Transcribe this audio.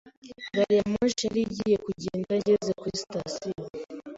Gari ya moshi yari igiye kugenda ngeze kuri sitasiyo.